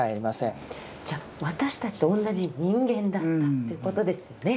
じゃ私たちとおんなじ人間だったということですよね。